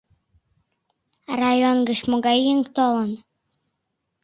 Район гыч могай еҥ толын?